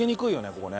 ここね。